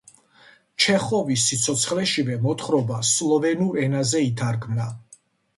ჩეხოვის სიცოცხლეშივე მოთხრობა სლოვენურ ენაზე ითარგმნა.